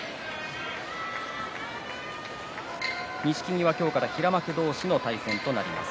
錦木は今日から平幕同士の対戦となります。